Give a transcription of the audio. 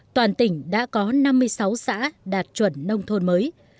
toàn tỉnh đã có năm mươi sáu xã đạt chuẩn nông thôn mới